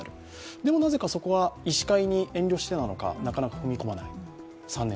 でもなぜかそこは医師会に遠慮してなのか、なかなか踏み込まない。